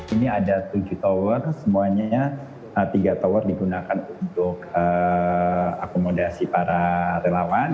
ini ada tujuh tower semuanya tiga tower digunakan untuk akomodasi para relawan